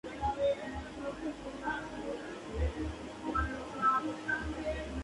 Actualmente posee un negocio de pizzas en la Av.